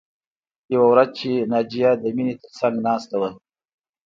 یوه ورځ چې ناجیه د مینې تر څنګ ناسته وه